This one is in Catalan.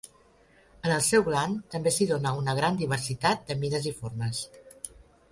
En el seu gland també s'hi dóna una gran diversitat de mides i formes.